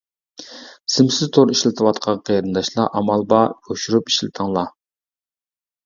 سىمسىز تور ئىشلىتىۋاتقان قېرىنداشلار ئامال بار يوشۇرۇپ ئىشلىتىڭلار.